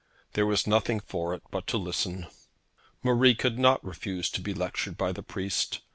There was nothing for it but to listen. Marie could not refuse to be lectured by the priest.